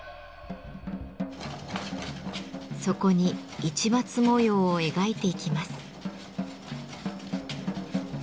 そこに市松模様を描いていきます。